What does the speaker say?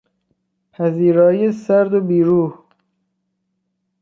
پذیرایی سرد و بیروح